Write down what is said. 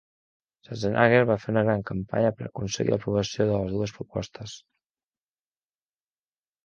Schwarzenegger va fer una gran campanya per aconseguir l'aprovació de les dues propostes.